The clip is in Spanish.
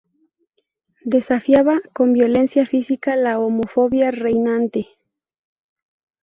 Desafiaba con violencia física la homofobia reinante.